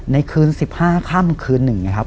ในคืน๑๕ค่ำคืนหนึ่งนะครับ